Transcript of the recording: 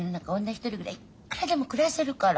一人くらいいっくらでも暮らせるから。